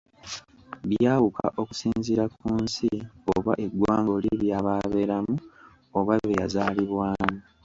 Byawuka okusinziira ku nsi oba eggwanga oli byaba abeeramu oba bye yazaalibwamu.